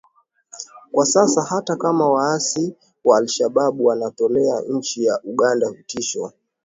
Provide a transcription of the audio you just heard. kwa sasa hata kama waasi wa alshaabab wanatolea nchi ya uganda vitisho